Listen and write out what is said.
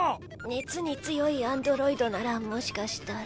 熱に強いアンドロイドならもしかしたら。